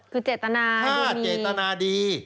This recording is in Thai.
คือเจตนาให้ดูดีถ้าเจตนาดี